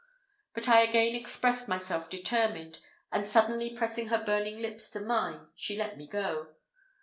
But I again expressed myself determined, and suddenly pressing her burning lips to mine, she let me go.